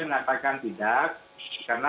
mengatakan tidak karena